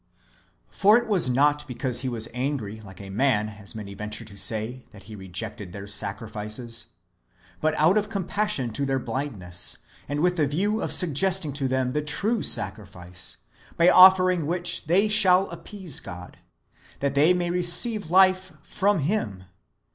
For it was not because He was angry, like a man, as many venture to say, that He rejected their sacrifices ; but out of compassion to their blindness, and with the view of suggesting to them the true sacrifice, by offering which they shall appease God, that they may receive life from Him.